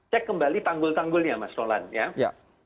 cek kembali tanggul tanggulnya mas solan